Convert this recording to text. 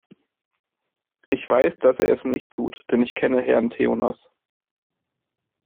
Ich weiß, dass er es nicht tut, denn ich kenne Herrn Theonas.